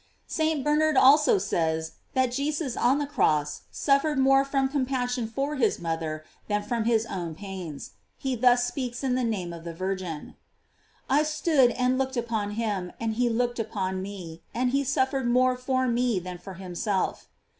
f St. Bernard also says, that Jesus on the cross suffered more from compassion for his moth er than from his own pains: he thus speaks in the name of the Virgin: I stood and looked upon him, and he looked upon me; and he suffered more for me than for himself.